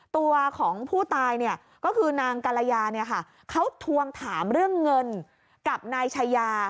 ตัวของผู้ตายก็คือนางกรยาเนี่ยค่ะเขาทวงถามเรื่องเงินกับนายชายา